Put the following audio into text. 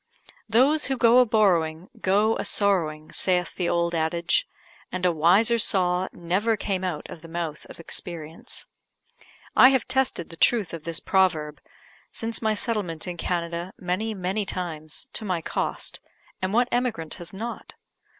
"Those who go a borrowing, go a sorrowing," saith the old adage; and a wiser saw never came out of the mouth of experience. I have tested the truth of this proverb since my settlement in Canada, many, many times, to my cost; and what emigrant has not?